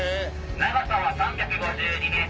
長さは３５２ｍ